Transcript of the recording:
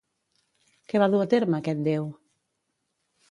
Què va dur a terme aquest déu?